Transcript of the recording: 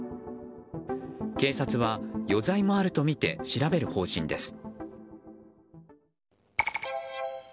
警察は余罪もあるとみて調べる方針です。